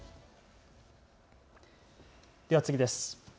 では次です。